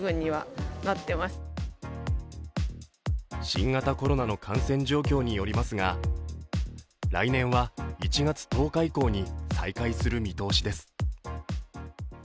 新型コロナの感染状況によりますが来年は１月１０日以降に再開する見通しです。